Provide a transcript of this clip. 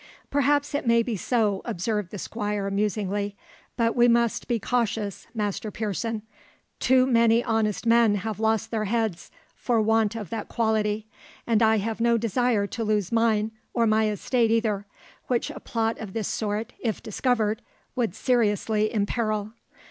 "Perhaps it may be so," observed the Squire musingly; "but we must be cautious, Master Pearson; too many honest men have lost their heads for want of that quality, and I have no desire to lose mine or my estate either, which a plot of this sort, if discovered, would seriously imperil.